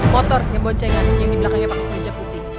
motor yang bocengan yang dibelakangnya pakai pojok putih